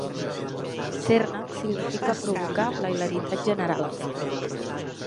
Ser-ne significa provocar la hilaritat general.